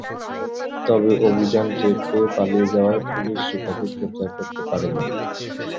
তবে অভিযান টের পেয়ে পালিয়ে যাওয়ায় পুলিশ রুপাকে গ্রেপ্তার করতে পারেনি।